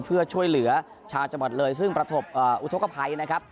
เพื่อช่วยเหลือชาวจังหวัดเลยซึ่งประสบอุทธกภัยนะครับ